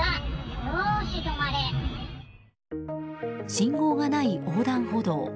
信号がない横断歩道。